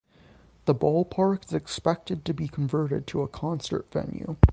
The ballpark is expected to be converted to a concert venue.